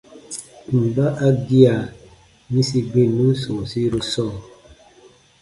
Mba a gia yĩsi gbinnun sɔ̃ɔsiru sɔɔ?